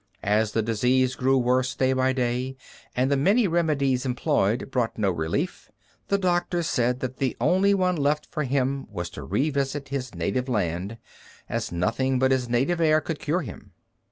As the disease grew worse day by day, and the many remedies employed brought no relief, the doctors said that the only one left for him was to revisit his native land, as nothing but his native air could cure him.